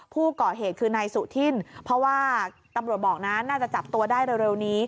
ผู้ก่อเหตุคือนายสุธินเพราะว่าตำรวจบอกนะน่าจะจับตัวได้เร็วนี้